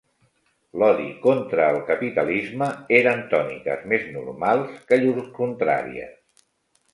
L'odi contra el capitalisme eren tòniques més normals que llurs contràries